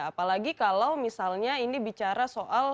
apalagi kalau misalnya ini bicara soal